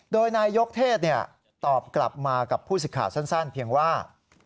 โดยนายยกเทศตอบกลับมากับผู้สิทธิ์สั้นเพียงว่า